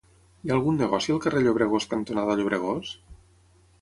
Hi ha algun negoci al carrer Llobregós cantonada Llobregós?